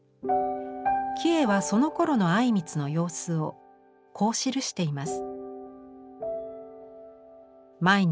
キヱはそのころの靉光の様子をこう記しています。